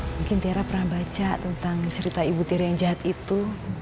mungkin tiara pernah baca tentang cerita ibu tira yang jahat itu